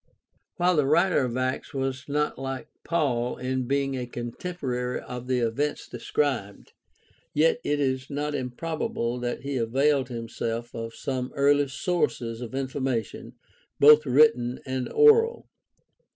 While the writer of Acts was not hke Paul in being a contemporary of the events described, yet it is not improbable that he availed himself of some early sources of information both written and oral.